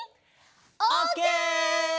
オッケー！